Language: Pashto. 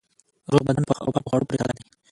روغ بدن په ښه او پاکو خوړو پورې تړلی دی.